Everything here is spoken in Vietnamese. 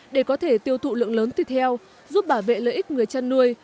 để có thể tiêu thụ lượng lớn thịt heo giúp bảo vệ lợi ích người chăn nuôi